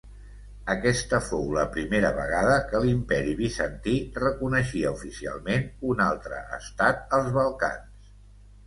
Aquesta fou la primera vegada que l'Imperi bizantí reconeixia oficialment un altre estat als Balcans.